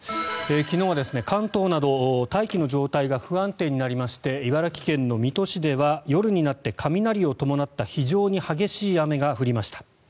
昨日は関東など大気の状態が不安定になりまして茨城県水戸市では夜になって、雷を伴った非常に激しい雨が降りました。